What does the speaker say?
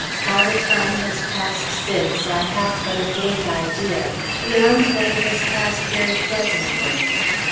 How the time has passed since, I have but a vague idea, beyond that it has passed very pleasantly....